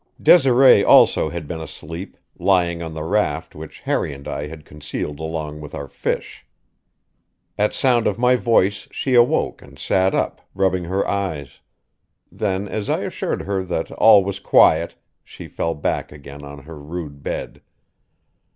Desiree also had been asleep, lying on the raft which Harry and I had concealed along with our fish. At sound of my voice she awoke and sat up, rubbing her eyes; then, as I assured her that all was quiet, she fell back again on her rude bed.